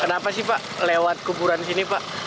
kenapa sih pak lewat kuburan sini pak